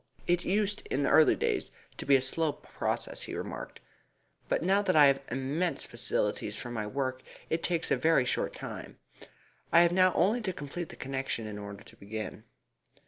"It used in the early days to be a slow process," he remarked; "but now that I have immense facilities for my work it takes a very short time. I have now only to complete the connection in order to begin."